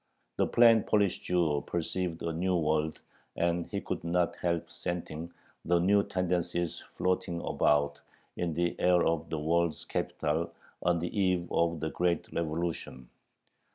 The plain Polish Jew perceived a new world, and he could not help scenting the new tendencies floating about in the air of the world's capital on the eve of the great Revolution.